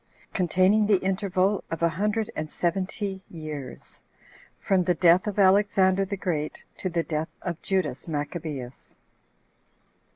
Containing The Interval Of A Hundred And Seventy Years.From The Death Of Alexander The Great To The Death Of Judas Maccabeus.